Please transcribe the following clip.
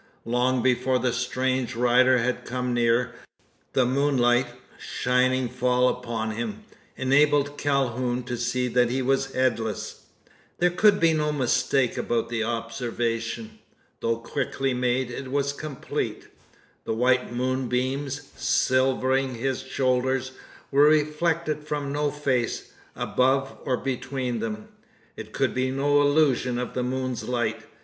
Long before the strange rider had come near, the moonlight, shining fall upon him, enabled Calhoun to see that he was headless! There could be no mistake about the observation. Though quickly made, it was complete. The white moon beams, silvering his shoulders, were reflected from no face, above or between them! It could be no illusion of the moon's light.